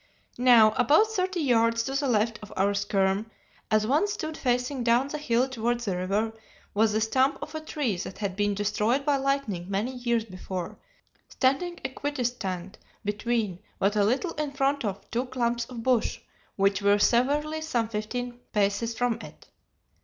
"Now, about thirty yards to the left of our skerm, as one stood facing down the hill towards the river, was the stump of a tree that had been destroyed by lightning many years before, standing equidistant between, but a little in front of, two clumps of bush, which were severally some fifteen paces from it.